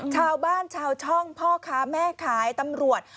ชาวบ้านชาวช่องพ่อค้าแม่ขายตำรวจ